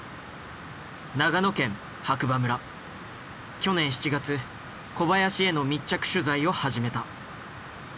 去年７月小林への密着取材を始めた。